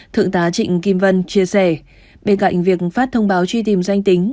thượng tá trịnh kim vân chia sẻ bên cạnh việc phát thông báo truy tìm danh tính